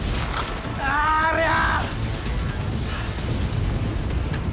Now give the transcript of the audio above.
ありゃ！